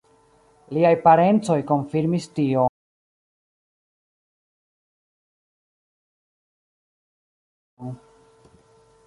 Liaj parencoj konfirmis tion.